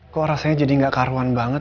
kok rasanya jadi gak karuan banget